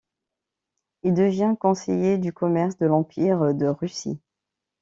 Il devient conseiller du commerce de l'Empire de Russie.